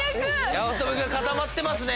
八乙女君固まってますね。